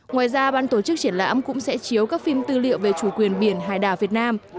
ngoài ra ban tổ chức triển lãm cũng sẽ chiếu các phim tư liệu về chủ quyền biển hải đảo việt nam